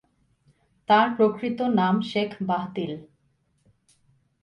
তাঁর প্রকৃত নাম শেখ বাহদিল।